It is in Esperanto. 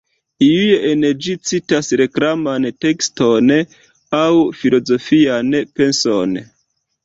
Iuj en ĝi citas reklaman tekston aŭ filozofian penson.